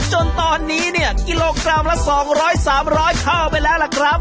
จนตอนนี้เนี่ยกิโลกรัมละ๒๐๐๓๐๐เข้าไปแล้วล่ะครับ